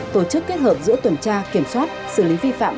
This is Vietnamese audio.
tổ chức kết hợp giữa tuần tra kiểm soát xử lý vi phạm